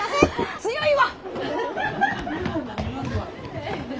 強いわ！